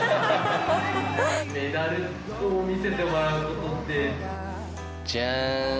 メダルを見せてもらうことっじゃーん！